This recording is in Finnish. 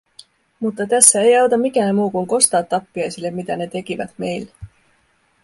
Mutta tässä ei auta mikään muu, kuin kostaa tappiaisille, mitä ne tekivät meille.